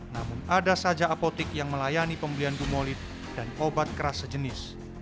namun ada saja apotik yang melayani pembelian gumolit dan obat keras sejenis